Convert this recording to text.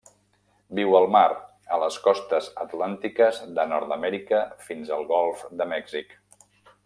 Viu al mar, a les costes atlàntiques de Nord-amèrica fins al golf de Mèxic.